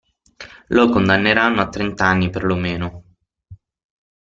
Lo condanneranno a trent'anni per lo meno.